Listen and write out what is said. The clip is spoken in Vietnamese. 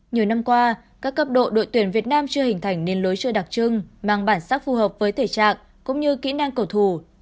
nhiều năm qua các cấp độ đội tuyển việt nam chưa hình thành nên lối chơi đặc trưng mang bản sắc phù hợp với thể trạng cũng như kỹ năng cầu thủ